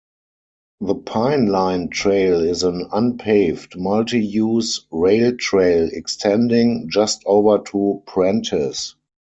The Pine Line Trail is an unpaved, multi-use rail-trail extending just over to Prentice.